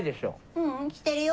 ううんしてるよ。